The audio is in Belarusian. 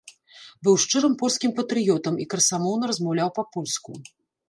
Быў шчырым польскім патрыётам і красамоўна размаўляў па-польку.